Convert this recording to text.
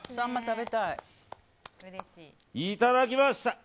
いただきました！